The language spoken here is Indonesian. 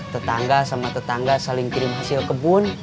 tetangga sama tetangga saling kirim hasil kebun